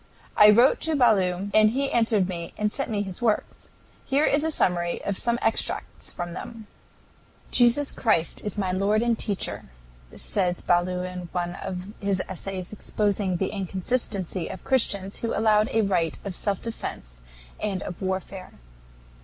I wrote to Ballou, and he answered me and sent me his works. Here is the summary of some extracts from them: "Jesus Christ is my Lord and teacher," says Ballou in one of his essays exposing the inconsistency of Christians who allowed a right of self defense and of warfare.